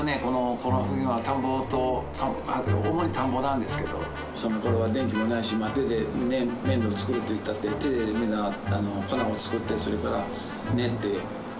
この辺は田んぼと主に田んぼなんですけどその頃は電気もないしまあ手で麺を作るっていったって手でみんな粉を作ってそれから練って。